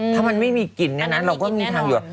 ถ้ามันไม่มีกลิ่นเนี่ยนะเราก็มีทางอยู่